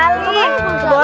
kembali pun sawah